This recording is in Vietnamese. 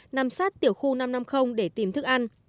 nằm sát tiểu khu năm trăm năm mươi để tìm thức ăn